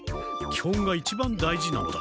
きほんが一番大事なのだ。